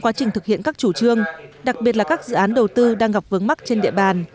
quá trình thực hiện các chủ trương đặc biệt là các dự án đầu tư đang gặp vướng mắt trên địa bàn